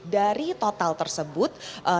dari total tersebut